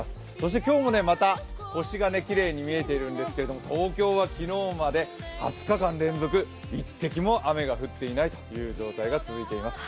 今日もまた星がきれいに見えているんですけども、東京は昨日まで２０日間連続一滴も雨が降っていない状況になっています。